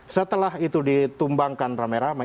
setelah itu ditumbangkan rame rame